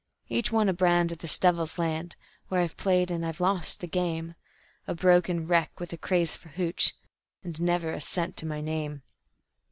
Each one a brand of this devil's land, where I've played and I've lost the game, A broken wreck with a craze for `hooch', and never a cent to my name.